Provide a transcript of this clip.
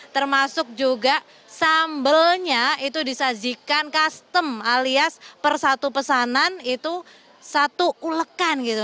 termasuk juga sambelnya itu disajikan custom alias per satu pesanan itu satu ulekan gitu